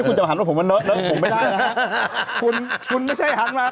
พี่จะหันว่าเรามันเลิชไม่ได้นะฮะ